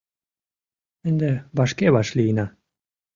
Ынде вашке вашлийына.